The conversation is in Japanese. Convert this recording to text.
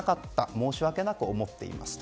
申し訳なく思っていますと。